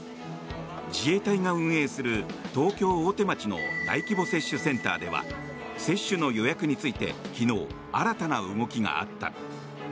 自衛隊が運営する東京・大手町の大規模接種センターでは接種の予約について昨日、新たな動きがあった。